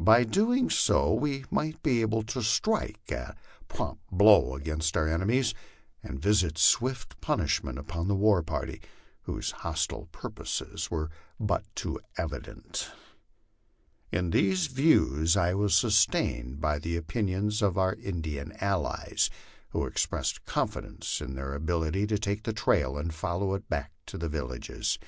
By so doing we might be able to strike a prompt blow against our enemies, and visit swift punishment upon the war party, whose hostile purposes were but too evident. In these views I was sustained by the opinions of our Indian allies, who ex pressed confidence in their ability to take the trail and follow it back to the villages.